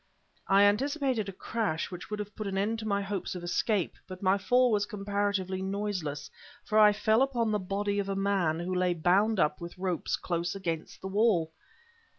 I anticipated a crash which would put an end to my hopes of escape, but my fall was comparatively noiseless for I fell upon the body of a man who lay bound up with rope close against the wall!